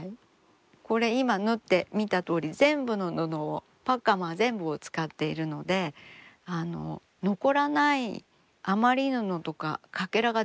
これ今縫って見たとおり全部の布をパッカマー全部を使っているので残らない余り布とかかけらが出ないですよね。